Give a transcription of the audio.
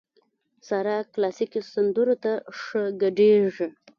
سارا کلاسيکو سندرو ته ښه ګډېږي.